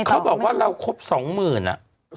เขาบอกว่าเราครบ๒๐๐๐อะ